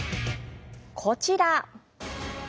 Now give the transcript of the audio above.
こちら。